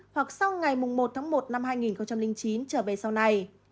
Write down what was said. hoặc sau ngày một tháng một năm hai nghìn chín trở về sau này